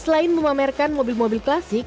selain memamerkan mobil mobil klasik